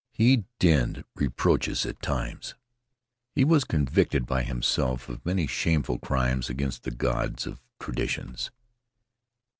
He dinned reproaches at times. He was convicted by himself of many shameful crimes against the gods of traditions.